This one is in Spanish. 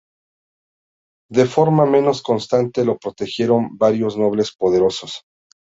De forma menos constante lo protegieron varios nobles poderosos.